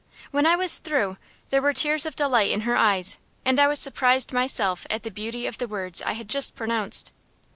When I was through, there were tears of delight in her eyes; and I was surprised myself at the beauty of the words I had just pronounced.